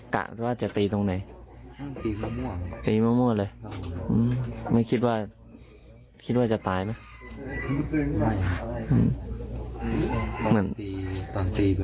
พี่ชายก็เอาผ่ายงผ่ายเย็นไปประคบให้แล้วตัวเองก็กลับไปนอนเหมือนเดิม